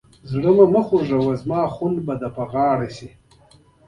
دل ازاري مه کوه، خون به مې واخلې